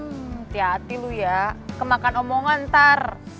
hmm hati hati lo ya kemakan omongan ntar